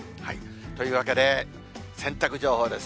というわけで、洗濯情報です。